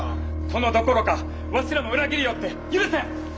殿どころかわしらも裏切りおって許せん。